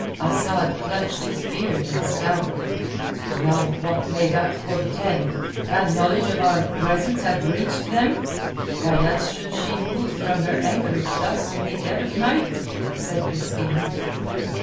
Asad clutched his beard, and scowled. "Now what may that portend? Can knowledge of our presence have reached them?" "Why else should she move from her anchorage thus in the dead of night?" said Biskaine.